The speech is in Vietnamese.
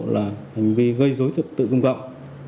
là hành vi gây dối tự công cộng